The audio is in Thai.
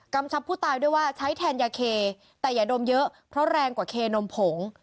ชับผู้ตายด้วยว่าใช้แทนยาเคแต่อย่าดมเยอะเพราะแรงกว่าเคนมผง